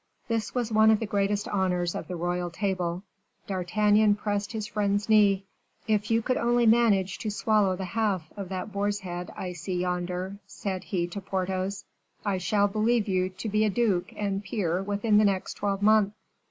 This was one of the greatest honors of the royal table. D'Artagnan pressed his friend's knee. "If you could only manage to swallow the half of that boar's head I see yonder," said he to Porthos, "I shall believe you will be a duke and peer within the next twelvemonth."